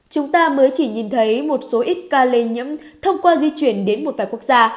chúng ta mới chỉ nhìn thấy một số ít ca lây nhiễm thông qua di chuyển đến một vài quốc gia